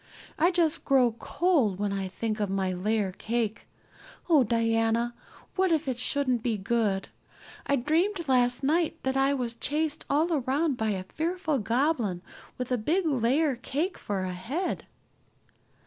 I just grow cold when I think of my layer cake. Oh, Diana, what if it shouldn't be good! I dreamed last night that I was chased all around by a fearful goblin with a big layer cake for a head."